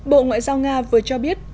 bộ ngoại giao nga vừa cho biết